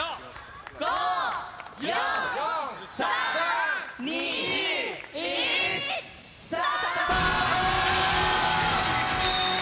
５・４・３・２・１スタート！